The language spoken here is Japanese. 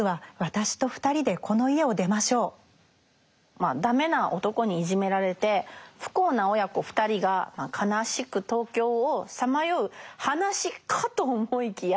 まあダメな男にいじめられて不幸な親子２人が悲しく東京をさまよう話かと思いきや